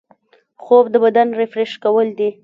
خوب د بدن ریفریش کول دي